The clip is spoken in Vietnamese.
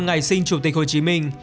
ngày sinh chủ tịch hồ chí minh